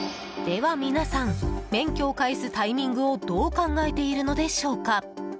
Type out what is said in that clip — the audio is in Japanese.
では、皆さん免許を返すタイミングをどう考えているのでしょうか。